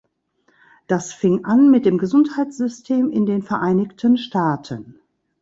Das fing an mit dem Gesundheitssystem in den Vereinigten Staaten.